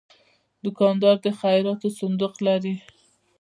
دوکاندار د خیراتو صندوق لري.